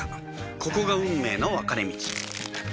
ここが運命の分かれ道